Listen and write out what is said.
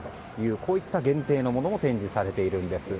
こういった限定のものも展示されているんです。